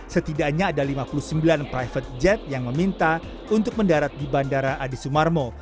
setidaknya ada lima puluh sembilan private jet yang meminta untuk mendarat di bandara adi sumarmo